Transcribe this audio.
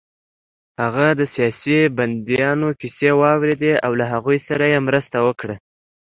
هغه د سیاسي بندیانو کیسې واورېدې او له هغوی سره يې مرسته وکړه